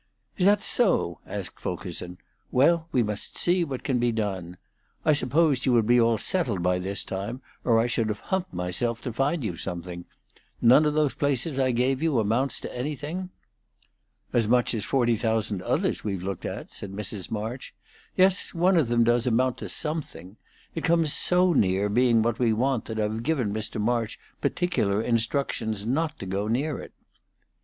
"Is that so?" asked Fulkerson. "Well, we must see what can be done. I supposed you would be all settled by this time, or I should have humped myself to find you something. None of those places I gave you amounts to anything?" "As much as forty thousand others we've looked at," said Mrs. March. "Yes, one of them does amount to something. It comes so near being what we want that I've given Mr. March particular instructions not to go near it."